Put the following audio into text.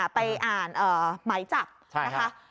ไปอ่านหมายจักรใช่ค่ะใช่ค่ะ